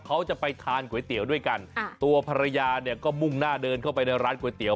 เขาจะไปทานก๋วยเตี๋ยวด้วยกันตัวภรรยาเนี่ยก็มุ่งหน้าเดินเข้าไปในร้านก๋วยเตี๋